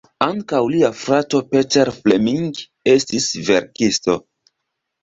Ankaŭ lia frato Peter Fleming estis verkisto.